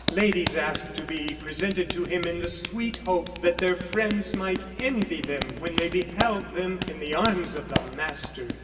Ladies asked to be presented to him in the sweet hope that their friends might envy them when they beheld them in the arms of the master.